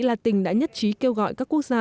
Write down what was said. latin đã nhất trí kêu gọi các quốc gia